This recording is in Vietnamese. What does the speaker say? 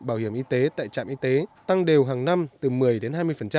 bảo hiểm y tế tại trạm y tế tăng đều hàng năm từ một mươi đến hai mươi